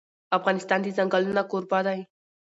افغانستان د ځنګلونه کوربه دی.